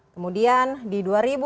kemudian di dua ribu dua puluh